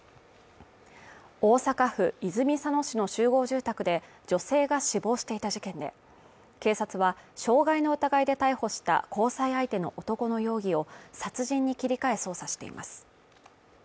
大阪府泉佐野市の集合住宅で女性が死亡していた事件で、警察は傷害の疑いで逮捕した交際相手の男の容疑を殺人に切り替え捜査しています。